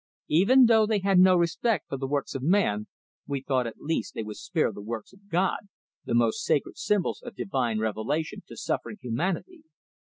Even though they had no respect for the works of man, we thought at least they would spare the works of God, the most sacred symbols of divine revelation to suffering humanity.